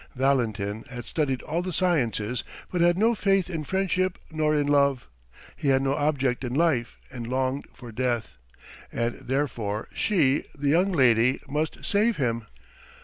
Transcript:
Valentin had studied all the sciences, but had no faith in friendship nor in love; he had no object in life and longed for death, and therefore she, the young lady, must save him.